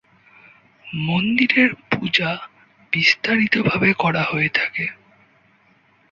মন্দিরের পূজা বিস্তারিতভাবে করা হয়ে থাকে।